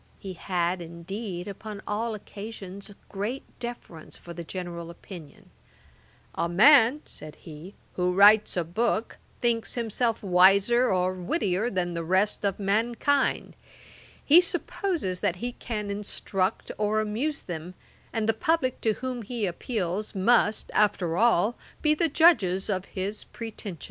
He had, indeed, upon all occasions, a great deference for the general opinion: 'A man (said he) who writes a book, thinks himself wiser or wittier than the rest of mankind; he supposes that he can instruct or amuse them, and the publick to whom he appeals, must, after all, be the judges of his pretensions.'